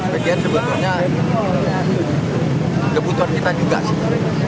sebenarnya kebutuhan kita juga sih